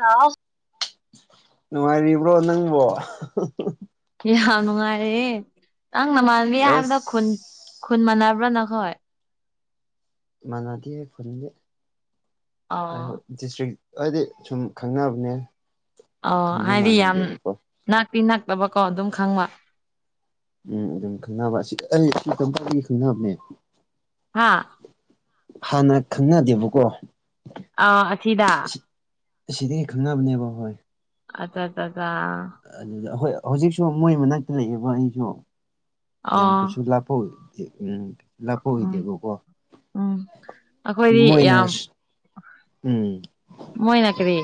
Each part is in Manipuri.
ꯍꯂꯥꯎ ꯅꯨꯡꯉꯥꯏꯔꯤꯕ꯭ꯔꯣ ꯅꯪꯕꯨ ꯌꯥꯝ ꯅꯨꯡꯉꯥꯏꯔꯦ ꯅꯪ ꯅꯃꯥꯟꯅꯕꯤ ꯍꯥꯏꯕꯗ ꯑꯁ ꯈꯨꯟ ꯈꯨꯟ ꯃꯥꯟꯅꯕ꯭ꯔꯥ ꯅꯈꯣꯏ꯫ ꯃꯅꯥꯗꯤꯌꯦ ꯈꯨꯟꯗꯤ ꯑꯥꯏꯍꯣꯏ ꯑꯣ ꯗꯤꯁꯇ꯭ꯔꯤꯛ ꯍꯥꯏꯗꯤ ꯁꯨꯝ ꯈꯪꯅꯕꯅꯦ꯫ ꯑꯣ ꯈꯨꯟꯗꯤ ꯍꯥꯏꯗꯤ ꯌꯥꯝ ꯃꯥꯟꯅꯗꯦꯕꯀꯣ ꯅꯛꯇꯤ ꯅꯛꯇꯕꯀꯣ ꯑꯗꯨꯝ ꯈꯪꯕ꯫ ꯎꯝ ꯑꯗꯨꯝ ꯈꯪꯅꯕ ꯑꯁꯤ ꯑꯅꯤ ꯈꯪꯅꯕꯅꯦ꯫ ꯍꯥꯥ ꯍꯥꯟꯅ ꯈꯪꯅꯗꯦꯕꯀꯣ ꯑꯥ ꯑꯁꯤꯗ ꯑꯁꯤꯗꯒꯤ ꯈꯪꯅꯕꯅꯦꯕ ꯍꯣꯏ ꯑꯆꯥ ꯑꯆꯥꯆꯥ ꯑꯗꯨꯗ ꯍꯣꯏ ꯍꯧꯖꯤꯛꯁꯨ ꯃꯣꯏ ꯃꯅꯥꯛꯇ ꯂꯩꯕ ꯑꯩꯁꯨ ꯌꯥꯝ ꯑꯣ ꯀꯩꯁꯨ ꯂꯥꯞꯄꯑꯣꯏ [unintelligible] ꯎꯝ ꯂꯥꯞꯄꯣꯛꯈꯤꯗꯦꯕꯀꯣ ꯎꯝ ꯑꯩꯈꯣꯏꯗꯤ ꯃꯣꯏꯅ ꯌꯥꯝ ꯎꯝ ꯃꯣꯏꯅꯥ ꯀꯔꯤ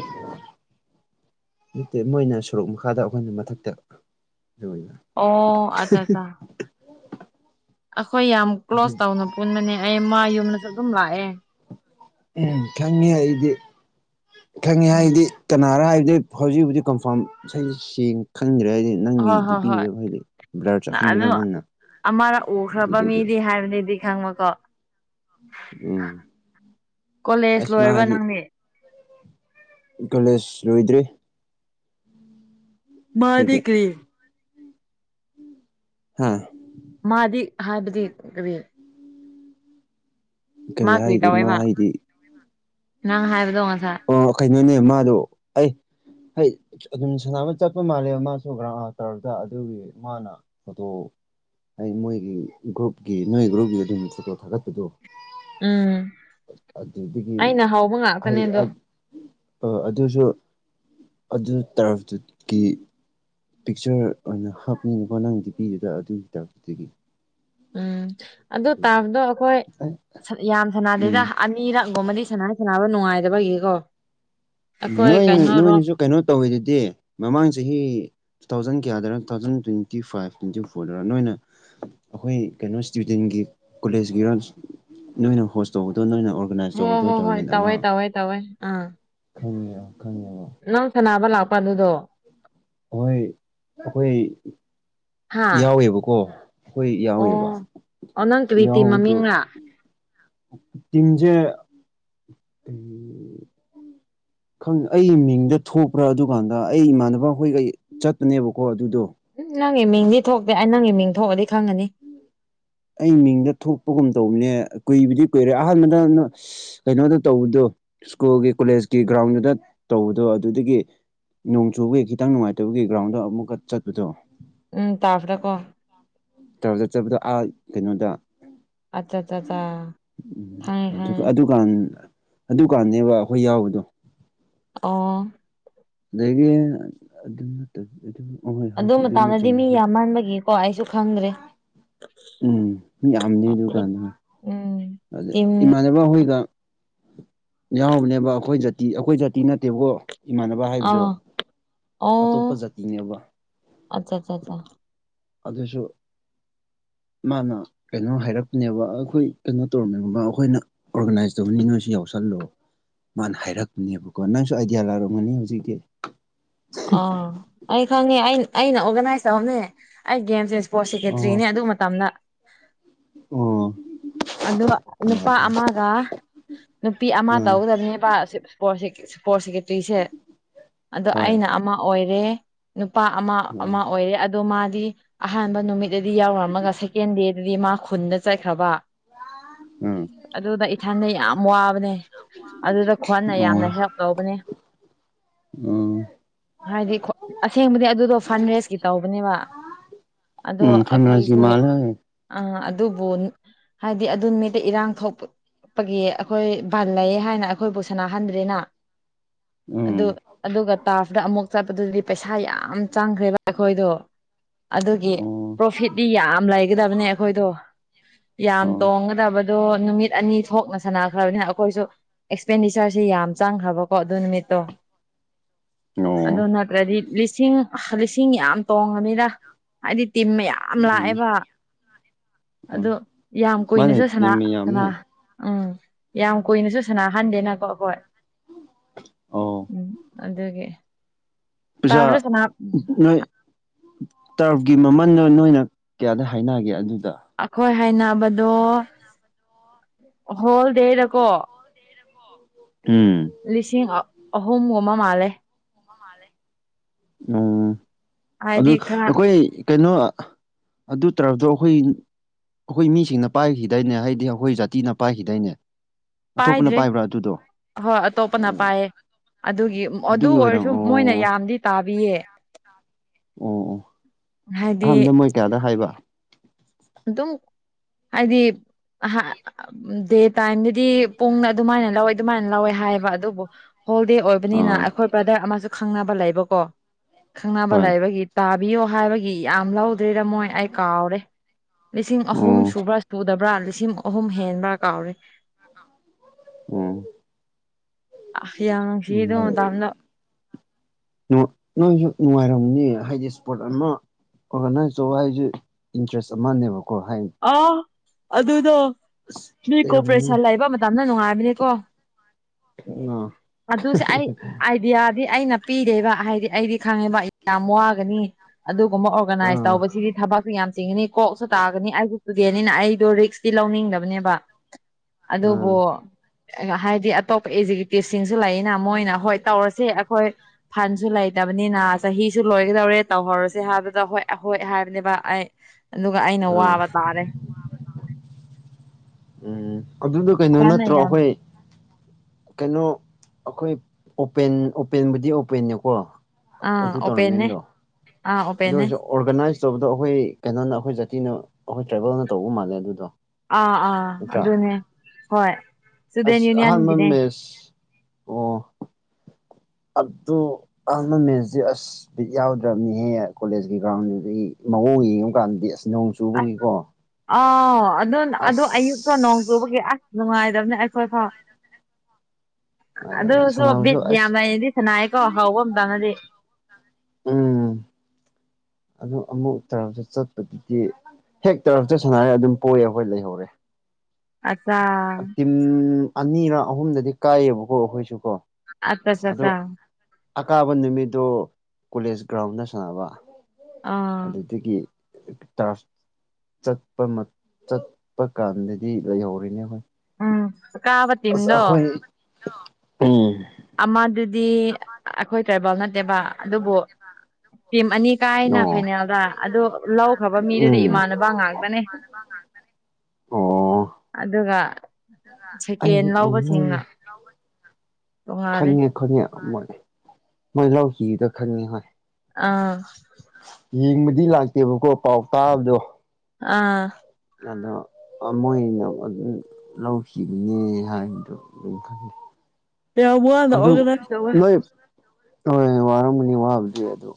ꯅꯠꯇꯦ ꯃꯣꯏꯅ ꯁꯣꯔꯣꯛ ꯃꯈꯥꯗ ꯑꯩꯈꯣꯏꯅ ꯃꯊꯛꯇ ꯑꯗꯨꯅ ꯑꯣ ꯑꯆꯥ ꯑꯆꯥ ꯑꯩꯈꯣꯏ ꯌꯥꯝ ꯑꯗꯨ ꯀ꯭ꯂꯣꯖ ꯇꯧꯅ ꯄꯨꯟꯕꯅꯦ ꯑꯩ ꯃꯥ ꯌꯨꯝꯗꯁꯨ ꯑꯗꯨꯝ ꯂꯥꯛꯑꯦ꯫ ꯎꯝ ꯈꯪꯉꯦ ꯑꯩꯗꯤ꯫ ꯈꯪꯉꯦ ꯎꯝ ꯍꯥꯏꯕꯗꯤ ꯀꯅꯥꯔ ꯍꯥꯏꯕꯗꯤ ꯍꯧꯖꯤꯛ ꯍꯧꯖꯤꯛ ꯀꯟꯐꯥꯔꯝ ꯏꯁꯩ ꯁꯦꯡ ꯈꯪꯗ꯭ꯔꯦ ꯍꯥꯏꯗꯤ ꯅꯪꯒꯤ ꯍꯣꯏ ꯗꯤ ꯍꯣꯏ ꯍꯣꯏ ꯄꯤꯗꯨꯗ ꯍꯥꯏꯗꯤ ꯕ꯭ꯂꯔ ꯆꯠꯍꯟꯕꯗꯣ ꯅꯪꯅ꯫ ꯑꯃꯅ ꯎꯈ꯭ꯔꯕ ꯑꯗꯨꯗꯒꯤ ꯃꯤꯗꯤ ꯍꯥꯏꯕꯅꯦꯗꯤ꯫ ꯈꯪꯕꯀꯣ ꯎꯝ ꯀꯣꯂꯦꯖ ꯑꯁ ꯂꯣꯏꯔꯕ ꯃꯥꯗꯤ ꯅꯪꯗꯤ꯫ ꯀꯣꯂꯦꯖ ꯂꯣꯏꯗ꯭ꯔꯤ꯫ ꯃꯥꯗꯤ ꯑꯩꯈꯣꯏꯗꯤ ꯀꯔꯤ ꯍꯥꯥ ꯃꯥꯗꯤ ꯍꯥꯏꯕꯗꯤ ꯀꯔꯤ ꯃꯥ ꯀꯔꯤ ꯍꯥꯏꯗꯤ ꯃꯥ ꯇꯧꯋꯦꯕ ꯍꯥꯏꯗꯤ ꯅꯪ ꯍꯥꯏꯕꯗꯣ ꯉꯁꯥꯏ꯫ ꯑꯣ ꯀꯩꯅꯣꯅꯦ ꯃꯥꯗꯣ ꯑꯩ ꯍꯩ ꯑꯗꯨꯝ ꯁꯅꯥꯃ ꯆꯠꯄ ꯃꯥꯜꯂꯦꯕ ꯃꯥꯁꯨ ꯒ꯭ꯔꯥ ꯇꯧꯔꯗ ꯑꯗꯨꯒꯤ ꯃꯥꯅ ꯐꯣꯇꯣ ꯑꯩ ꯃꯣꯏꯒꯤ ꯒ꯭ꯔꯨꯞꯀꯤ ꯅꯣꯏ ꯒ꯭ꯔꯨꯞꯒꯤ ꯑꯗꯨꯝ ꯐꯣꯇꯣ ꯊꯥꯒꯠꯄꯗꯣ ꯎꯝ ꯑꯗꯨꯗꯒꯤ ꯑꯩꯅ ꯍꯧꯕ ꯍꯥꯏ ꯉꯥꯛꯇꯅꯦ ꯑꯗꯣ ꯑ ꯑꯗꯨꯁꯨ ꯑꯗꯨ ꯇꯔꯗꯨꯒꯤ ꯄꯤꯛꯆꯔ ꯑꯣꯏꯅ ꯍꯥꯞꯃꯤꯛꯕ ꯅꯪ ꯗꯤ ꯄꯤꯗꯨꯗ ꯑꯗꯨꯒꯤ ꯇꯥꯏꯞꯇꯨꯗꯒꯤ ꯎꯝ ꯑꯗꯨ ꯇꯥꯕꯗꯣ ꯑꯩꯈꯣꯏ ꯑꯦ ꯌꯥꯝ ꯁꯅꯗꯩꯗ ꯎꯝ ꯏꯔꯥꯛꯒꯨꯝꯕꯗꯤ ꯁꯅꯥꯏ ꯁꯅꯕ ꯅꯨꯡꯉꯥꯏꯗꯕꯒꯤꯀꯣ ꯑꯩꯈꯣꯏ ꯅꯣꯏ ꯀꯩꯅꯣꯔꯣ ꯅꯣꯏꯅꯁꯨ ꯀꯩꯅꯣ ꯇꯧꯋꯤꯗꯨꯗꯤ ꯃꯃꯥꯡ ꯆꯍꯤ ꯇꯨ ꯊꯥꯎꯖꯟ ꯀꯌꯥꯗꯔꯥ two thousand twenty five twenty ꯐꯣꯔꯗꯔ ꯅꯣꯏꯅ ꯑꯩꯈꯣꯏ ꯀꯩꯅꯣ ꯏꯁꯇꯨꯗꯦꯟꯒꯤ ꯀꯣꯂꯦꯖꯀꯤꯔ ꯅꯣꯏꯅ ꯍꯣꯁ ꯇꯧꯕꯗꯣ ꯅꯣꯏꯅ ꯑꯣ ꯍꯣ ꯍꯣ ꯍꯣꯏ ꯇꯋꯦ ꯇꯋꯦ ꯇꯋꯦ ꯑꯥ ꯈꯪꯉꯦ ꯈꯪꯉꯦꯕ ꯅꯪ ꯁꯥꯟꯅꯕ ꯂꯥꯛꯄ ꯑꯗꯨꯗꯣ ꯑꯍꯣꯏ ꯑꯩꯈꯣꯏ ꯍꯥꯥ ꯌꯥꯎꯋꯦꯕꯀꯣ ꯑꯩꯈꯣꯏ ꯑꯣ ꯌꯥꯎꯋꯦꯕ ꯑꯣ ꯅꯪ ꯀꯔꯤ ꯇꯤꯝ ꯌꯥꯎꯕꯗꯨ ꯃꯃꯤꯡꯂꯥ ꯇꯤꯝꯖꯦ ꯎꯝ ꯈꯪ ꯑꯩ ꯃꯤꯡꯗ ꯊꯣꯛꯄ꯭ꯔꯥ ꯑꯗꯨꯀꯥꯟꯗ ꯑꯩ ꯏꯃꯥꯟꯅꯕ ꯑꯩꯈꯣꯏꯒ ꯆꯠꯄꯅꯦꯕꯀꯣ ꯑꯗꯨꯗꯣ ꯎꯝ ꯅꯪꯒꯤ ꯃꯤꯡꯗꯤ ꯊꯣꯛꯇꯦ ꯑꯩ ꯅꯪꯒꯤ ꯃꯤꯡ ꯊꯣꯛꯑꯗꯤ ꯈꯪꯒꯅꯤ ꯑꯩ ꯃꯤꯡꯗ ꯊꯣꯛꯄꯒꯨꯝ ꯇꯧꯕꯅꯦ ꯀꯨꯏꯕꯗꯤ ꯀꯨꯏꯔꯦ ꯑꯍꯥꯟꯕꯗ ꯀꯩꯅꯣꯗ ꯇꯧꯕꯗꯣ ꯁ꯭ꯀꯨꯜꯒꯤ ꯀꯣꯂꯦꯖꯀꯤ ꯒ꯭ꯔꯥꯎꯟꯗꯨꯗ ꯇꯧꯕꯗꯣ ꯑꯗꯨꯗꯒꯤ ꯅꯣꯡ ꯆꯨꯕꯒꯤ ꯈꯤꯇꯪ ꯅꯨꯡꯉꯥꯏꯇꯕꯒꯤ ꯒ꯭ꯔꯥꯎꯟꯗ ꯑꯃꯨꯛꯀ ꯆꯠꯄꯗꯣ ꯎꯝ ꯇꯥꯈꯔꯦꯀꯣ ꯇꯔ ꯆꯠꯄꯗꯣ ꯑꯥ ꯀꯩꯅꯣꯗ ꯑꯠꯆꯥ ꯆꯥ ꯆꯥ ꯈꯪꯉꯦ ꯈꯪꯉꯦ ꯑꯖꯨꯀꯥꯟ ꯑꯗꯨꯀꯥꯟꯅꯦꯕ ꯑꯩꯈꯣꯏ ꯌꯥꯎꯕꯗꯣ ꯑꯣ ꯑꯗꯨꯒꯤ ꯑꯗꯨꯠꯇ ꯑꯗꯨ ꯃꯇꯝꯗꯗꯤ ꯃꯤ ꯌꯥꯝꯃꯟꯕꯒꯤꯀꯣ ꯑꯩꯁꯨ ꯈꯪꯗ꯭ꯔꯦ ꯎꯝ ꯃꯤ ꯌꯥꯝꯕꯅꯤ ꯑꯗꯨꯀꯥꯟ ꯎꯝ ꯑꯗ ꯇꯤꯝ ꯏꯃꯥꯟꯅꯕ ꯍꯣꯏꯒ ꯌꯥꯎꯕꯅꯦꯕ ꯑꯩꯈꯣꯏ ꯖꯥꯇꯤ ꯑꯩꯈꯣꯏ ꯖꯥꯇꯤ ꯅꯠꯇꯦꯕꯀꯣ ꯏꯃꯥꯟꯅꯕ ꯕꯥ ꯍꯥꯏꯕꯗꯣ ꯑꯥ ꯑꯇꯣꯞꯄ ꯖꯥꯇꯤꯅꯦꯕ ꯑꯆꯥ ꯆꯥꯆꯥ ꯑꯗꯨꯁꯨ ꯃꯥꯅ ꯀꯩꯅꯣ ꯍꯥꯏꯔꯛꯄꯅꯦꯕ ꯑꯩꯈꯣꯏ ꯀꯩꯅꯣ ꯇꯧꯔꯝꯃꯦꯒꯨꯝꯕ ꯑꯩꯈꯣꯏꯅ ꯑꯣꯔꯒꯅꯥꯏꯁ ꯇꯧꯍꯟꯅꯤ ꯅꯣꯢꯁꯨ ꯌꯥꯎꯁꯜꯂꯣ ꯃꯥꯅ ꯍꯥꯏꯔꯛꯄꯅꯦꯕꯀꯣ ꯅꯪꯁꯨ ꯑꯥꯏꯗꯤꯌꯥ ꯂꯥꯛꯔꯝꯒꯅꯤ ꯍꯧꯖꯤꯛꯇꯤ ꯑ ꯑꯩ ꯈꯪꯉꯦ ꯑ ꯑꯩꯅ ꯑꯣꯔꯒꯅꯥꯏꯁ ꯇꯧꯔꯝꯅꯦ ꯑꯩ ꯒꯦꯝꯁꯦ ꯏꯁꯄꯣꯔꯠ ꯁꯦꯀꯦꯇ꯭ꯔꯤꯅꯦ ꯑꯣ ꯑꯗꯨ ꯃꯇꯝꯗ ꯑꯣ ꯑ ꯅꯨꯄꯥ ꯑꯃꯒ ꯅꯨꯄꯤ ꯑꯃ ꯎꯝ ꯇꯧꯒꯗꯕꯅꯦ ꯏꯁꯄꯣꯔꯠꯁꯤ ꯏꯁꯄꯣꯔꯠ ꯁꯦꯀꯦꯇꯔꯤꯁꯦ ꯑꯗꯣ ꯍꯣꯏ ꯑꯩꯅ ꯑꯃ ꯑꯣꯏꯔꯦ ꯅꯨꯄꯥ ꯑꯃ ꯑꯃ ꯎꯝ ꯑꯣꯏꯔꯦ ꯑꯗꯣ ꯃꯥꯗꯤ ꯑꯍꯥꯟꯕ ꯅꯨꯃꯤꯠꯇꯗꯤ ꯌꯥꯎꯔꯝꯃꯒ ꯁꯦꯀꯦꯟ ꯗꯦꯗꯗꯤ ꯃꯥ ꯈꯨꯟꯗ ꯆꯠꯈ꯭ꯔꯕ ꯑꯗꯨꯗ ꯏꯊꯟꯗ ꯌꯥꯝ ꯋꯥꯕꯅꯦ ꯑꯗꯨꯗ ꯈꯣꯟꯅ ꯎꯝ ꯑꯣ ꯌꯥꯝꯅ ꯍꯦꯜꯞ ꯇꯧꯕꯅꯦ [inaudible] ꯎꯝ ꯍꯥꯏꯗꯤ ꯈꯣ ꯑꯁꯦꯡꯕꯗꯤ ꯑꯗꯨꯗꯣ ꯐꯟ ꯔꯦꯁꯀꯤ ꯇꯧꯕꯅꯦꯕ ꯎꯝ ꯐꯟ ꯔꯦꯁꯀꯤ ꯃꯥꯂꯦ ꯑ ꯑꯗꯨꯕꯨ ꯍꯥꯏꯗꯤ ꯑꯗꯨ ꯅꯨꯃꯤꯠꯇ ꯏꯔꯥꯡ ꯊꯣꯛꯄ ꯄꯒꯤ ꯑꯈꯣꯏ ꯕꯟ ꯂꯩꯌꯦ ꯍꯥꯏꯅ ꯑꯈꯣꯏꯕꯨ ꯁꯥꯅꯥꯍꯟꯗ꯭ꯔꯦꯅ ꯑꯗꯨ ꯎꯝ ꯑꯗꯨꯒ ꯇꯥꯥꯐꯗ ꯑꯃꯨꯛ ꯆꯞꯄꯗꯨꯗꯤ ꯄꯩꯁꯥ ꯌꯥꯝ ꯆꯥꯡꯈ꯭ꯔꯦꯕ ꯑꯈꯣꯏꯗꯣ ꯑꯗꯨꯒꯤ ꯑꯣ ꯄ꯭ꯔꯣꯐꯤꯠꯗꯤ ꯌꯥꯝ ꯂꯩꯒꯗꯕꯅꯦ ꯑꯈꯣꯏꯗꯣ ꯌꯥꯝ ꯑꯣ ꯑꯣ ꯎꯝ ꯇꯣꯡꯒꯗꯕꯗꯣ ꯅꯨꯃꯤꯠ ꯑꯅꯤ ꯊꯣꯛꯅ ꯁꯥꯅꯥꯈ꯭ꯔꯕꯅꯦ ꯑꯈꯣꯏꯁꯨ ꯑꯦꯛꯁꯄꯦꯟꯗꯤꯆꯔꯁꯤ ꯌꯥꯝ ꯆꯪꯈ꯭ꯔꯕꯀꯣ ꯑꯗꯨ ꯅꯨꯃꯤꯠꯇꯣ ꯑꯗꯨ ꯅꯠꯇ꯭ꯔꯗꯤ ꯂꯤꯁꯤꯡ ꯂꯤꯁꯤꯡ ꯌꯥꯝ ꯇꯣꯡꯉꯅꯤꯗ ꯍꯥꯏꯗꯤ ꯇꯤꯝ ꯃꯌꯥ ꯑꯥꯝ ꯂꯥꯑꯦꯕ ꯑꯣ ꯑꯗꯣ ꯌꯥꯝ ꯃꯥꯅꯦ ꯀꯨꯏꯅꯖꯨ ꯁꯅꯥ ꯇꯤꯝ ꯌꯥꯝꯃꯦ ꯁꯅꯥ ꯎꯝ ꯌꯥꯝ ꯀꯨꯏꯅꯖꯨ ꯁꯅꯥꯍꯟꯗꯦꯅꯀꯣ ꯑꯈꯣꯏ ꯑꯣ ꯎꯝ ꯑꯗꯨꯒꯤ ꯄꯤꯖꯥ ꯇꯥꯕ꯭ꯔꯥ ꯁꯅꯥ ꯅꯣꯏ ꯇꯔꯞꯒꯤ ꯃꯃꯟꯅꯣ ꯅꯣꯏꯅ ꯀꯌꯥꯗ ꯍꯥꯏꯅꯒꯦ ꯑꯗꯨꯗ ꯑꯈꯣꯏ ꯍꯥꯏꯅꯥꯕꯗꯣ ꯍꯣꯜꯗꯦꯗꯀꯣ ꯎꯝ ꯂꯤꯁꯤꯡ ꯑꯍꯨꯝꯒꯨꯝꯕ ꯃꯥꯜꯂꯦ ꯑꯣ ꯑꯗꯨ ꯍꯥꯏꯗꯤ ꯈꯔ ꯑꯈꯣꯏ ꯀꯩꯅꯣ ꯑꯗꯨ ꯇꯔꯕꯗꯣ ꯑꯈꯣꯏ ꯑꯈꯣꯏ ꯃꯤꯁꯤꯡꯅ ꯄꯥꯏꯈꯤꯗꯥꯏꯅꯦ ꯍꯥꯏꯗꯤ ꯑꯈꯣꯏ ꯖꯥꯇꯤꯅ ꯄꯥꯏꯈꯤꯗꯥꯏꯅꯦ ꯑꯇꯣꯞꯄꯅ ꯄꯥꯏꯗ꯭ꯔꯦ ꯄꯥꯏꯕ꯭ꯔꯥ ꯑꯗꯨꯗꯣ ꯍꯣ ꯑꯇꯣꯞꯄꯅ ꯑꯣ ꯄꯥꯏꯌꯦ ꯑꯗꯨꯒꯤ ꯑꯗꯨ ꯑꯗꯨꯒꯤ ꯑꯣꯏꯔꯝ ꯑꯣꯏꯔꯁꯨ ꯑꯣ ꯃꯣꯏꯅ ꯌꯥꯝꯗꯤ ꯇꯥꯕꯤꯌꯦ ꯑꯣ ꯑꯣ ꯍꯥꯏꯗꯤ ꯑꯍꯥꯟꯕꯗ ꯃꯣꯏ ꯀꯌꯥꯗ ꯍꯥꯏꯕ ꯑꯗꯨꯝ ꯍꯥꯏꯗꯤ ꯑꯥꯍꯥ ꯗꯦ ꯇꯥꯏꯝꯗꯗꯤ ꯄꯨꯡꯅ ꯑꯗꯨꯃꯥꯏꯅ ꯂꯧꯋꯦ ꯑꯗꯨꯃꯥꯏꯅ ꯂꯧꯋꯦ ꯍꯥꯏꯕ ꯑꯗꯨꯕꯨ ꯍꯣꯜꯗꯦ ꯑꯣꯏꯕꯅꯤꯅ ꯑꯥ ꯑꯩꯈꯣꯏ ꯕ꯭ꯔꯗꯔ ꯑꯃꯁꯨ ꯈꯪꯅꯕ ꯂꯩꯕꯀꯣ ꯈꯪꯅꯕ ꯍꯣꯏ ꯂꯩꯕꯒꯤ ꯇꯥꯕꯤꯌꯣ ꯍꯥꯏꯕꯒꯤ ꯌꯥꯝ ꯂꯧꯗ꯭ꯔꯤꯔ ꯃꯣꯏ ꯑꯩ ꯀꯥꯎꯔꯦ ꯂꯤꯁꯤꯡ ꯑꯍꯨꯝ ꯑꯣ ꯁꯨꯕ꯭ꯔꯥ ꯁꯨꯗꯕ꯭ꯔꯥ ꯂꯤꯁꯤꯡ ꯑꯍꯨꯝ ꯍꯦꯟꯕ꯭ꯔꯥ ꯀꯥꯎꯔꯦ ꯎꯝ ꯑꯥ ꯌꯥꯡꯁꯤꯌꯦꯗ ꯃꯥꯇꯝꯗꯣ ꯅꯣ ꯅꯣꯏꯖꯨ ꯅꯨꯉꯥꯏꯔꯝꯅꯤ ꯍꯥꯏꯗꯤ ꯏꯁꯄꯣꯔꯠ ꯑꯃ ꯑꯣꯔꯒꯅꯥꯏꯆꯧꯕ ꯍꯥꯏꯖꯤ ꯏꯟꯇꯔꯦꯁ ꯑꯃꯅꯦꯕꯀꯣ ꯍꯥꯏ ꯑ ꯑꯗꯨꯗꯣ ꯑꯁ ꯃꯤ ꯂꯩꯔꯝꯅꯤ ꯀꯣꯄꯔꯦꯁꯟ ꯂꯩꯕ ꯃꯗꯝꯗ ꯅꯨꯉꯥꯏꯕꯅꯤ ꯀꯣ ꯑꯥ ꯑꯗꯨꯁꯦ ꯑꯩ ꯑꯥꯏꯕꯤꯌꯥꯗꯤ ꯑꯩꯅ ꯄꯤꯗꯦꯕ ꯍꯥꯏꯗꯤ ꯑꯩꯗꯤ ꯈꯪꯉꯦꯕ ꯌꯥꯝ ꯋꯥꯒꯅꯤ ꯑꯗꯨꯒꯨꯝꯕ ꯑꯣꯔꯒꯅꯥꯏꯁ ꯑꯥ ꯇꯧꯕꯁꯤꯗꯤ ꯊꯕꯛ ꯌꯥꯝ ꯆꯤꯡꯉꯅꯤ ꯀꯣꯛꯁꯨ ꯇꯥꯛ ꯀꯅꯤ ꯑꯩꯖꯨ ꯇꯨꯗꯦꯅꯤꯅ ꯑꯩꯗꯣ ꯔꯤꯛꯁꯇꯤ ꯂꯧꯅꯤꯡꯗꯕꯅꯦꯕ ꯑꯥ ꯑꯗꯨꯕꯨ ꯍꯥꯏꯗꯤ ꯑꯇꯣꯞꯄ ꯏꯖꯤꯒꯌꯨꯇꯤꯕꯁꯤꯡꯖꯨ ꯂꯩꯌꯦꯅ ꯃꯣꯏꯅ ꯍꯣꯏ ꯇꯧꯔꯁꯦ ꯑꯈꯣꯏ ꯐꯟꯁꯨ ꯂꯩꯇꯕꯅꯤꯅ ꯆꯍꯤꯁꯨ ꯂꯣꯏꯒꯗꯧꯔꯦ ꯇꯧꯍꯧꯔꯁꯦ ꯍꯥꯏꯕꯗ ꯍꯣꯏ ꯍꯣꯏ ꯍꯥꯏꯕꯅꯦꯕ ꯑꯩ ꯑꯗꯨꯒ ꯑꯩꯅ ꯑꯥ ꯋꯥꯕ ꯇꯥꯔꯦ ꯎꯝ ꯑꯗꯨꯗꯣ ꯀꯩꯅꯣ ꯈꯔꯅ ꯅꯠꯇ꯭ꯔꯣ ꯌꯥꯝ ꯑꯈꯣꯏ ꯀꯩꯅꯣ ꯑꯩꯈꯣꯏ ꯑꯣꯄꯦꯟ ꯑꯣꯄꯦꯟꯕꯨꯗꯤ ꯑꯣꯄꯦꯟꯅꯀꯣ ꯑꯥ ꯑꯣꯄꯟꯅꯦ ꯑꯗꯨ ꯑꯣꯏꯔꯁꯨ ꯑꯣꯔꯒꯅꯥꯏꯁ ꯇꯧꯕꯗꯣ ꯑꯩꯈꯣꯏ ꯀꯩꯅꯣꯅ ꯑꯩꯈꯣꯏ ꯖꯥꯇꯤꯅ ꯑꯩꯈꯣꯏ ꯇ꯭ꯔꯥꯏꯕꯦꯜꯅ ꯇꯧꯕ ꯃꯥꯜꯂꯦ ꯑꯗꯨꯗꯣ ꯑꯥ ꯑꯥ ꯅꯠꯇ꯭ꯔꯥ ꯑꯗꯨꯅꯦ ꯍꯣꯏ ꯏꯁꯇꯨꯗꯦꯟ ꯑꯁ ꯑꯍꯥꯟꯕ ꯌꯨꯅꯤꯌꯟꯒꯤꯅꯦ ꯃꯦꯁ ꯑꯣ ꯑꯗꯨ [unintelligible] ꯏꯁ ꯕꯤꯠ ꯌꯥꯎꯗ꯭ꯔꯕꯅꯤꯍꯦ ꯀꯣꯂꯦꯖꯀꯤ ꯒ꯭ꯔꯥꯎꯟꯗꯨꯗꯒꯤ ꯃꯑꯣꯡ ꯌꯦꯡꯉꯨ ꯀꯥꯟꯗꯗꯤ ꯑꯁ ꯅꯣꯡ ꯑꯁ ꯆꯨꯕꯒꯤꯀꯣ ꯑꯥꯎ ꯑꯗꯨ ꯑꯗꯨ ꯑꯌꯨꯛꯇ ꯅꯣꯡ ꯑꯁ ꯆꯨꯕꯒꯤ ꯑꯁ ꯅꯨꯡꯉꯥꯏꯗꯕꯅꯦ ꯑꯩꯈꯣꯏ ꯐꯥꯎ ꯅꯨꯡꯉꯥꯏꯇꯕꯅꯦ ꯑꯗꯨꯁꯨ ꯁꯥꯟꯅꯕꯁꯨ ꯕꯤꯠ ꯑꯁ ꯌꯥꯝ ꯂꯩꯅꯗꯤ ꯁꯅꯥꯏꯀꯣ ꯍꯥꯎꯕ ꯑꯃꯝꯇꯪꯅꯗꯤ ꯎꯝ ꯑꯗꯨ ꯑꯃꯨꯛ ꯇꯁꯨ ꯆꯠꯄꯗꯨꯗꯤ ꯍꯦꯛ ꯇꯔꯞꯇ ꯁꯥꯟꯅꯔꯦ ꯑꯗꯨꯝ ꯄꯣꯛꯔ ꯑꯩꯈꯣꯏ ꯂꯩꯍꯧꯔꯦ ꯑꯆꯥ ꯎꯝ ꯑꯅꯤꯔ ꯑꯍꯨꯝꯔꯗꯤ ꯀꯥꯏꯌꯦꯕꯀꯣ ꯑꯩꯈꯣꯏꯁꯨ ꯀꯣ ꯑꯗꯣ [unintelligible] ꯑꯀꯥꯕ ꯅꯨꯃꯤꯠꯇꯣ ꯀꯣꯂꯦꯖ ꯒ꯭ꯔꯥꯎꯟꯗ ꯁꯥꯟꯅꯕ ꯑꯥ ꯑꯗꯨꯗꯒꯤ ꯇꯔꯐ ꯆꯠꯄ ꯆꯠꯄ ꯀꯥꯟꯗꯗꯤ ꯂꯩꯍꯧꯔꯤꯅꯦ ꯑꯩꯈꯣꯏ ꯎꯝ ꯀꯕ ꯑꯁ ꯑꯩꯈꯣꯏ ꯎꯝ ꯑꯃꯗꯨꯗꯤ ꯑꯩꯈꯣꯏ ꯇ꯭ꯔꯥꯏꯕꯦꯜ ꯅꯠꯇꯦꯕ ꯑꯗꯨꯕꯨ ꯇꯤꯝ ꯑꯅꯤ ꯀꯥꯏꯅ ꯑꯣ ꯐꯥꯏꯅꯦꯜꯗ ꯑꯗꯣ ꯂꯧꯈ꯭ꯔꯕ ꯃꯤꯗꯨꯗꯤ ꯎꯝ ꯏꯃꯥꯟꯅꯕ ꯉꯥꯛꯇꯅꯦ ꯑꯣ ꯑꯗꯨꯒ ꯁꯦꯀꯦꯟ ꯑꯩ ꯂꯧꯕꯁꯤꯡꯅ ꯃꯣꯏ ꯇꯣꯡꯉꯥꯜꯂꯦ ꯈꯪꯉꯦ ꯈꯪꯉꯦ ꯃꯣꯏ ꯃꯣꯏ ꯂꯧ ꯈꯤꯗꯗ ꯈꯪꯉꯦ ꯍꯣꯏ ꯑꯥ ꯌꯦꯡꯕꯗꯤ ꯂꯥꯛꯇꯦꯕꯀꯣ ꯄꯥꯎ ꯇꯥꯕꯗꯣ ꯑꯥ ꯑꯗꯣ ꯃꯣꯏꯅ ꯑꯗꯨꯝ ꯂꯧꯈꯤꯕꯅꯦ ꯍꯥꯏꯕꯗꯣ ꯑꯗꯨꯝ ꯈꯖ ꯇ꯭ꯔꯥꯏꯕꯦꯜ ꯑꯗꯨ ꯅꯣꯏ ꯍꯣꯏ ꯋꯥꯔꯝꯒꯅꯤ ꯋꯥꯕꯗꯤ ꯑꯗꯨ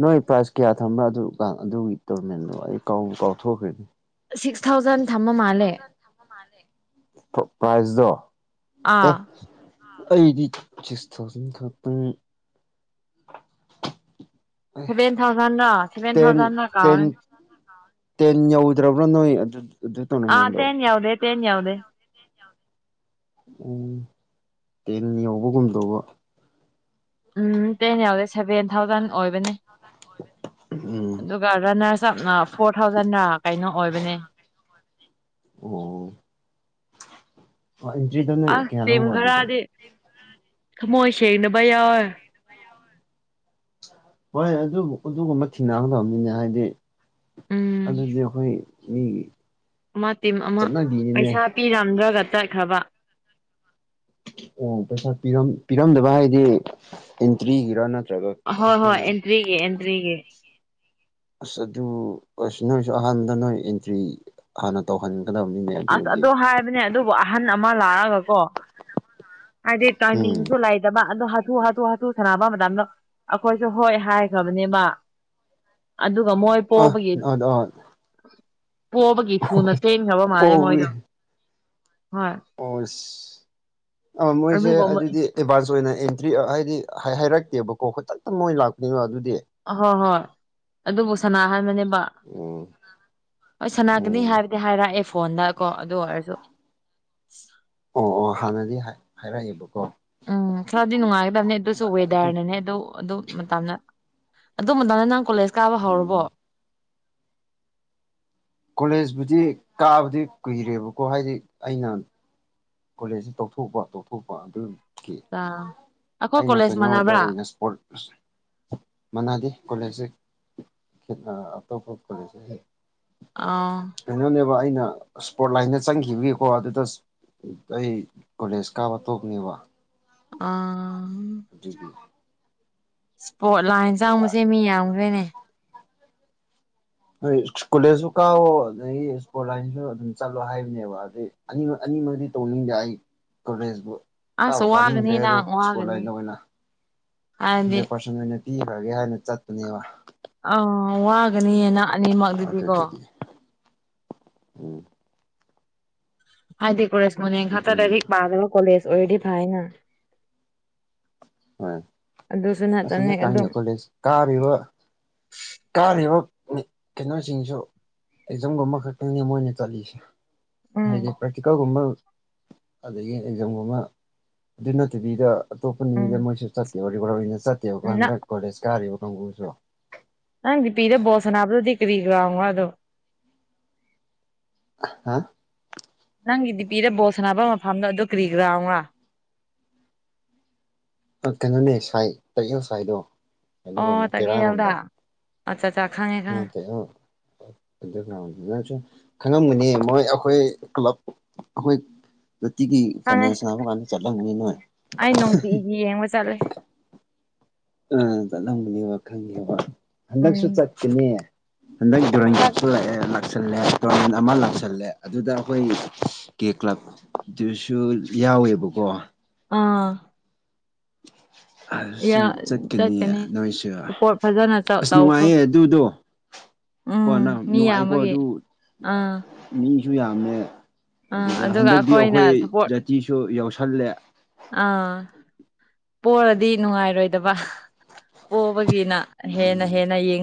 ꯅꯣꯏ ꯄ꯭ꯔꯥꯏꯖ ꯀꯌꯥ ꯊꯝꯕ꯭ꯔꯥ ꯑꯗꯨ ꯑꯗꯨꯒꯤ ꯇꯣꯔꯃꯦꯟꯗꯣ ꯑꯩ ꯀꯥꯎꯊꯣꯛꯈ꯭ꯔꯦꯅꯤ ꯁꯤꯛꯁ ꯊꯥꯎꯖꯟ ꯊꯝꯕ ꯃꯥꯜꯂꯦ ꯄꯥꯏꯖꯗꯣ ꯑꯥ ꯑꯩꯗꯤ ꯁꯤꯛꯁ ꯊꯥꯎꯖꯟ ꯈꯛꯇꯪ ꯁꯦꯚꯦꯟ ꯊꯥꯎꯖꯟꯔꯣ ꯁꯦꯚꯦꯟ ꯇꯦꯟ ꯊꯥꯎꯖꯟꯟꯅ ꯇꯦꯟ ꯀꯥꯎꯔꯦ ꯇꯦꯟ ꯌꯧꯗ꯭ꯔꯕ꯭ꯔꯥ ꯅꯣꯏ ꯑꯗꯨ ꯑꯗꯨ ꯑ ꯇꯣꯔꯅꯃꯦꯟꯗꯣ ꯇꯦꯟ ꯌꯧꯗꯦ ꯇꯦꯟ ꯌꯧꯗꯦ ꯎꯝ ꯇꯦꯟ ꯌꯧꯕꯒꯨꯝꯗꯧꯕ ꯎꯝ ꯇꯦꯟ ꯌꯥꯎꯗꯦ ꯁꯚꯦꯟ ꯊꯥꯎꯖꯟ ꯑꯣꯏꯕꯅꯦ ꯎꯝ ꯑꯗꯨꯒ ꯔꯟꯅꯔꯁ ꯑꯞꯅ ꯐꯣꯔ ꯊꯥꯎꯖꯟꯔ ꯀꯩꯅꯣ ꯑꯣꯏꯕꯅꯦ ꯑꯣ [unintelligible] ꯑꯁ ꯇꯤꯝ ꯂꯧꯕ ꯑꯗꯨꯗ ꯈꯔꯗꯤ ꯊꯃꯣꯏ ꯁꯦꯡꯗꯕ ꯌꯥꯎꯋꯦ ꯍꯣꯏ ꯑꯗꯨ ꯑꯗꯨꯒꯨꯝꯕ ꯊꯦꯡꯅꯒꯗꯕꯅꯤꯅꯦ ꯍꯥꯏꯗꯤ ꯎꯝ ꯑꯗꯨꯗꯤ ꯑꯩꯈꯣꯏ ꯎꯝ ꯑꯃ ꯇꯤꯝ ꯑꯃ ꯄꯩꯁꯥ ꯄꯤꯔꯝꯗ꯭ꯔꯒ ꯆꯠꯈ꯭ꯔꯕ ꯑꯣ ꯄꯩꯁꯥ ꯄꯤ ꯄꯤꯔꯝꯗꯕ ꯍꯥꯏꯗꯤ ꯏꯟꯇ꯭ꯔꯤꯒꯤꯔꯥ ꯅꯠꯇ꯭ꯔꯒ ꯍꯣꯏ ꯍꯣꯏ ꯑꯩꯈꯣꯏꯅ ꯑꯦꯟꯇꯔꯤꯒꯤ ꯑꯦꯟꯇꯔꯤꯒꯤ ꯑꯁ ꯑꯗꯨ ꯑꯁ ꯅꯣꯏꯁꯨ ꯑꯍꯥꯟꯕ ꯅꯣꯏ ꯑꯦꯟꯇ꯭ꯔꯤ ꯍꯥꯟꯅ ꯇꯧꯍꯟ ꯑꯗꯧꯅꯤꯅꯦ ꯑꯁ ꯑꯗꯣ ꯍꯥꯏꯕꯅꯦ ꯑꯗꯨꯕꯨ ꯑꯍꯟ ꯑꯃ ꯂꯥꯛꯑꯒ ꯀꯣ ꯍꯥꯏꯗꯤ ꯎꯝ ꯇꯥꯏꯃꯤꯡꯁꯨ ꯂꯩꯇꯕ ꯑꯗꯣ ꯍ ꯍꯥꯊꯨ ꯍꯥꯊꯨ ꯍꯥꯊꯨ ꯁꯥꯟꯅꯕ ꯃꯇꯝꯗ ꯑꯩꯈꯣꯏꯁꯨ ꯍꯣꯏ ꯍꯥꯏꯈ꯭ꯔꯕꯅꯦꯕ ꯑꯗꯨꯒ ꯃꯣꯏ ꯑ ꯄꯣꯕꯒꯤ ꯄꯣꯕꯒꯤ ꯊꯨꯅ ꯆꯦꯟꯈ꯭ꯔꯕ ꯃꯥꯜꯂꯦ ꯃꯣꯏꯗꯣ ꯍꯣꯏ ꯑꯣꯁ ꯑ ꯃꯣꯏꯁꯦ ꯑꯗꯨꯒ ꯑꯗꯨꯗꯤ ꯑꯦꯗꯚꯥꯟꯁ ꯑꯣꯏꯅ ꯑꯦꯟꯇ꯭ꯔꯤ ꯍꯥꯏꯗꯤ ꯍꯥꯏꯔꯛꯇꯦꯕꯀꯣ ꯈꯨꯗꯛꯇ ꯃꯣꯏ ꯂꯥꯛꯄꯅꯤꯅ ꯑꯗꯨꯗꯤ ꯑꯍꯣꯏ ꯍꯣꯏ ꯑꯗꯨꯕꯨ ꯁꯅꯥ ꯍꯥꯏꯕꯅꯦꯕ ꯎꯝ ꯍꯣꯏ ꯁꯅꯥꯒꯤꯅꯤ ꯎꯝ ꯍꯥꯏꯕ ꯍꯥꯏꯔꯛꯑꯦ ꯐꯣꯟꯗ ꯀꯣ ꯑꯗꯨ ꯑꯣꯏꯔꯁꯨ ꯑꯣ ꯑꯣ ꯍꯥꯟꯅꯗꯤ ꯍꯥꯏꯔ ꯍꯥꯏꯔꯛꯑꯦꯕꯀꯣ ꯎꯝ ꯈꯔꯗꯤ ꯅꯨꯡꯉꯥꯏꯒꯗꯕꯅꯦ ꯑꯗꯨꯁꯨ ꯋꯦꯗꯔꯅꯅꯦ ꯑꯗꯨ ꯑꯗꯨ ꯃꯇꯝꯅ ꯑꯗꯨ ꯃꯇꯝꯗꯥ ꯅꯪ ꯀꯣꯂꯦꯖ ꯀꯥꯕ ꯎꯝ ꯍꯧꯔꯕꯣ ꯀꯣꯂꯦꯖꯄꯨꯗꯤ ꯀꯥꯕꯗꯤ ꯀꯨꯏꯔꯦꯕꯀꯣ ꯍꯥꯏꯗꯤ ꯑꯩꯅ ꯀꯣꯂꯦꯖꯁꯤ ꯇꯧꯊꯣꯛꯄ ꯇꯧꯊꯣꯛꯄ ꯑꯗꯨ ꯒꯤ ꯑꯥ ꯑꯩꯈꯣꯏ ꯑꯩꯅ ꯀꯣꯂꯦꯖ ꯀꯩꯅꯣꯗ ꯃꯥꯟꯅꯕ꯭ꯔꯥ ꯑꯣꯏꯅ ꯏꯁꯄꯣꯔꯠ ꯃꯥꯅꯥꯗꯦ ꯀꯣꯂꯦꯖꯁꯦ ꯈꯦꯠ ꯑꯇꯣꯞꯄ ꯀꯣꯂꯦꯖ ꯑꯥ ꯀꯩꯅꯣꯅꯦꯕ ꯑꯩꯅ ꯁ꯭ꯄꯣꯔꯠ ꯂꯥꯏꯟꯗ ꯆꯪꯈꯤꯕꯒꯤꯀꯣ ꯑꯗꯨꯗ ꯑꯩ ꯀꯣꯂꯦꯖ ꯀꯥꯕ ꯇꯣꯛꯄꯅꯦꯕ ꯑꯥ ꯑꯗꯨꯒꯤ ꯏꯁꯄꯣꯔꯠ ꯂꯥꯏꯟ ꯆꯪꯕꯁꯦ ꯃꯤ ꯌꯥꯝꯈ꯭ꯔꯦꯅꯦ ꯅꯣꯏ ꯀꯣꯂꯦꯖꯁꯨ ꯀꯥꯎꯋꯣ ꯑꯗꯒꯤ ꯏꯁ꯭ꯄꯣꯔꯠ ꯂꯥꯏꯟꯁꯨ ꯑꯗꯨꯝ ꯆꯠꯂꯣ ꯍꯥꯏꯕꯅꯦꯕ ꯑꯗꯨꯗꯩ ꯑꯅꯤꯃꯛ ꯑꯅꯤꯃꯛꯗꯤ ꯇꯧꯅꯤꯡꯗꯦ ꯑꯩ ꯀꯣꯂꯦꯖꯄꯨ ꯑꯁ ꯀꯥꯕꯨ ꯋꯥꯒꯅꯤ ꯀꯥꯅꯤꯡꯟꯗ꯭ꯔꯦ ꯑꯗꯣ ꯅꯪ ꯏꯁꯄꯣꯔꯠ ꯋꯥꯒꯅꯤ ꯂꯥꯏꯟꯗ ꯑꯣꯏꯅ ꯍꯥꯏꯗꯤ ꯍꯟꯗ꯭ꯔꯦꯠ ꯄꯥꯔꯁꯦꯟ ꯑꯣꯏꯅ ꯄꯤꯈ꯭ꯔꯒꯦ ꯍꯥꯏꯅ ꯆꯠꯄꯅꯦꯕ ꯑꯣ ꯋꯥꯒꯅꯤꯌꯦ ꯅꯪ ꯑꯗꯨꯗꯨꯒꯤ ꯎꯝ ꯍꯥꯏꯗꯤ ꯀꯣꯂꯦꯖ ꯃꯣꯅꯦ ꯈꯥꯛꯇ ꯎꯝ ꯂꯥꯏꯔꯤꯛ ꯄꯥꯗꯕ ꯀꯣꯂꯦꯖ ꯑꯣꯏꯔꯗꯤ ꯐꯩꯑꯦꯅ ꯍꯣꯏ ꯑꯗꯨꯁꯨ ꯑꯁꯣꯝꯗ ꯅꯠꯇꯉꯩ ꯑꯗꯨꯝ ꯀꯥꯏꯅ ꯀꯣꯂꯦꯖ ꯀꯥꯔꯤꯕ ꯀꯥꯔꯤꯕ ꯀꯩꯅꯣꯁꯤꯡꯁꯨ ꯑꯦꯛꯖꯥꯝꯒꯨꯝꯕ ꯈꯛꯇꯪꯅꯦ ꯃꯣꯏꯅ ꯆꯠꯂꯤꯁꯦ ꯎꯝ ꯍꯥꯏꯗꯤ ꯄ꯭ꯔꯦꯛꯇꯤꯀꯜꯒꯨꯝꯕ ꯑꯗꯒꯤ ꯑꯦꯛꯖꯥꯝꯒꯨꯝ ꯑꯃ ꯑꯗꯨ ꯅꯠꯇꯕꯤꯗ ꯑꯇꯣꯞꯄ ꯎꯝ ꯁꯤ ꯃꯣꯏꯁꯨ ꯆꯠꯇꯦꯕ ꯔꯤꯒꯨꯂꯔ ꯑꯣꯏꯅ ꯆꯠꯇꯦꯕꯣ ꯅꯪ ꯍꯟꯗꯛ ꯀꯣꯂꯦꯖ ꯀꯥꯔꯤꯕ ꯀꯥꯡꯕꯨꯨꯁꯨ ꯅꯪ ꯗꯤꯄꯤꯗ ꯕꯣꯜ ꯁꯥꯅꯥꯕꯗꯨꯗꯤ ꯀꯔꯤ ꯒ꯭ꯔꯥꯎꯅꯣ ꯑꯗꯨ ꯍꯥ ꯅꯪꯒꯤ ꯗꯤꯄꯤꯗ ꯕꯣꯜ ꯁꯥꯟꯅꯕ ꯃꯐꯝꯗꯣ ꯑꯗꯨ ꯀ꯭ꯔꯤ ꯒ꯭ꯔꯥꯎꯔꯥ ꯀꯩꯅꯣꯅꯦ ꯁꯥꯏ ꯇꯛꯌꯦꯜ ꯁꯥꯏꯗꯣ ꯀꯩꯅꯣꯔꯣꯝꯗ ꯇꯦꯔꯥꯔꯣꯝꯗ ꯑꯆꯥ ꯆꯥ ꯈꯪꯉꯦ ꯃꯥ ꯈꯪꯉꯦ ꯇꯦ ꯑꯣ ꯑꯗꯨꯅ ꯅꯪꯁꯨ ꯈꯪꯉꯝꯒꯅꯤ ꯃꯣꯏ ꯑꯩꯈꯣꯏ ꯀ꯭ꯂꯕ ꯑꯩꯈꯣꯏ ꯇꯤꯒꯤ ꯈꯪꯉꯦ ꯐꯥꯏꯅꯦꯜ ꯁꯅꯥꯕ ꯀꯥꯟꯗ ꯆꯠꯂꯝꯕꯅꯤ ꯅꯣꯏ ꯑꯩ ꯅꯨꯡꯇꯤꯒꯤ ꯌꯦꯡꯕ ꯆꯠꯂꯦ ꯎꯝ ꯆꯠꯂꯝꯒꯅꯦꯕ ꯈꯪꯉꯦꯕ ꯍꯟꯗꯛꯁꯨ ꯎꯝ ꯆꯠꯀꯅꯦ ꯍꯟꯗꯛ ꯗꯑꯦ [unintelligible] ꯂꯥꯛꯁꯜꯂꯦ ꯇꯣꯔꯃꯦꯟ ꯑꯃ ꯂꯥꯛꯁꯜꯂꯦ ꯑꯗꯨꯗ ꯑꯩꯈꯣꯏ ꯀꯦ ꯀ꯭ꯂꯕ ꯑꯗꯨꯁꯨ ꯌꯥꯎꯋꯦꯕꯀꯣ ꯑꯥ [unintelligible] ꯌꯥ ꯑꯗꯨꯁꯨ ꯆꯠꯀꯅꯤ ꯅꯣꯏꯁꯨ ꯁꯄꯣꯔꯠ ꯐꯖꯅ ꯆꯧ ꯑꯁ ꯇꯧꯈ꯭ꯔꯣ ꯅꯨꯡꯉꯥꯏꯌꯦ ꯑꯗꯨꯗꯣ ꯀꯣ ꯎꯝ ꯅ ꯃꯤ ꯅꯨꯡꯉꯥꯏꯈꯣ ꯌꯥꯝꯕꯒꯤ ꯑꯗꯨ ꯑꯥ ꯃꯤꯁꯨ ꯌꯥꯝꯃꯦ ꯑꯥ ꯑꯗꯨꯗ ꯑꯗꯨꯒ ꯍꯟꯗꯛꯇꯤ ꯑꯩꯈꯣꯏꯅ ꯑꯩꯈꯣꯏ ꯁꯞꯄꯣꯔꯠ ꯖꯥꯇꯤꯁꯨ ꯌꯥꯎꯁꯜꯂꯦ ꯑꯥ ꯄꯣꯔꯗꯤ ꯅꯨꯡꯉꯥꯏꯔꯣꯏꯗꯕ ꯄꯣꯕꯒꯤꯅ ꯍꯦꯅ ꯎꯝ ꯍꯦꯅ ꯌꯦ